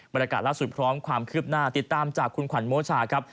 บรรยากาศล่าสุดพร้อมความคืบหน้าติดตามจากคุณขวัญโมชาครับ